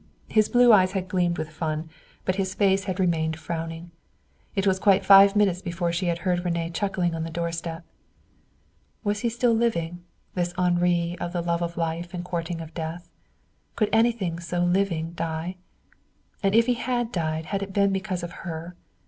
His blue eyes had gleamed with fun, but his face had remained frowning. It was quite five minutes before she had heard René chuckling on the doorstep. Was he still living, this Henri of the love of life and courting of death? Could anything so living die? And if he had died had it been because of her?